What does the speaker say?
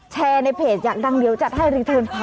เท่าไหร่